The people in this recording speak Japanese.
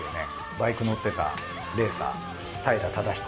バイク乗ってたレーサー平忠彦。